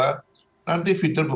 nanti feeder itu akan berjalan ke rumah